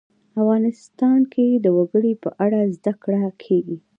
افغانستان کې د وګړي په اړه زده کړه کېږي.